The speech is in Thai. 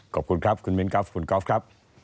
ขอบคุณครับคุณมิ้นครับคุณกอล์ฟครับ